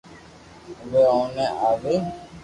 او وي او ني آوين